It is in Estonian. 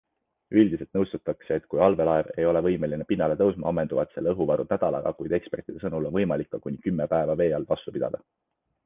Üldiselt nõustutakse, et kui allveelaev ei ole võimeline pinnale tõusma, ammenduvad selle õhuvarud nädalaga, kuid ekspertide sõnul on võimalik ka kuni kümme päeva vee all vastu pidada.